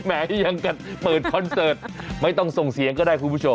แม้ยังกันเปิดคอนเสิร์ตไม่ต้องส่งเสียงก็ได้คุณผู้ชม